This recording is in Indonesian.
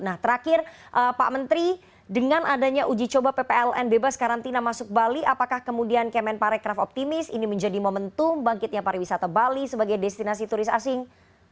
nah terakhir pak menteri dengan adanya uji coba ppln bebas karantina masuk bali apakah kemudian kemen parekraf optimis ini menjadi momentum bangkitnya pariwisata bali sebagai destinasi turis asing